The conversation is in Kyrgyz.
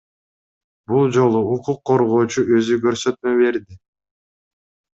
Бул жолу укук коргоочу өзү көрсөтмө берди.